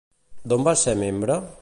D'on va ser membre?